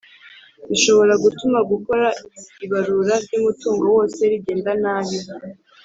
bishobora gutuma gukora ibarura ry umutungo wose rigenda nabi